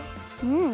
うん。